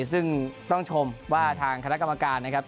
ซึ่งต้องชมว่าทางคณะกรรมการนะครับ